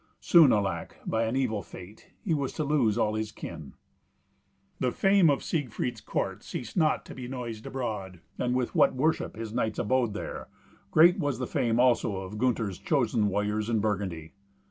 Soon, alack, by an evil fate, he was to lose all his kin! The fame of Siegfried's court ceased not to be noised abroad, and with what worship his knights abode there; great was the fame also of Gunther's chosen warriors in Burgundy.